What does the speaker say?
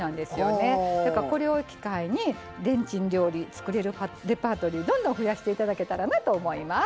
これを機会にレンチン料理作れるレパートリーどんどん増やしていただけたらなと思います。